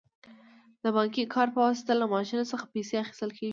د بانکي کارت په واسطه له ماشین څخه پیسې اخیستل کیږي.